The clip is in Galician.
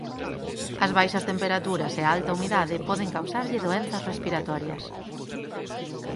As baixas temperaturas e a alta humidade poden causarlle doenzas respiratorias.